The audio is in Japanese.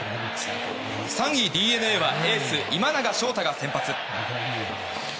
３位、ＤｅＮＡはエース、今永昇太が先発。